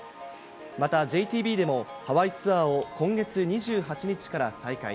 また、ＪＴＢでも、ハワイツアーを今月２８日から再開。